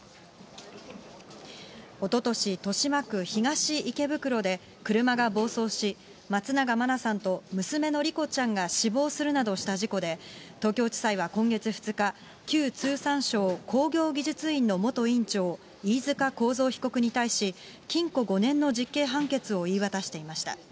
おととし、豊島区東池袋で、車が暴走し、松永真菜さんと娘の莉子ちゃんが死亡するなどした事故で、東京地裁は今月２日、旧通産省工業技術院の元院長、飯塚幸三元被告に対し、禁錮５年の実刑判決を言い渡していました。